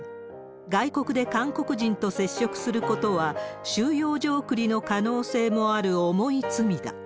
外国で韓国人と接触することは、収容所送りの可能性もある重い罪だ。